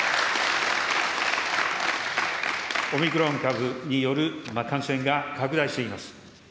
オミクロン株による感染が拡大しています。